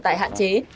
tại hạn chế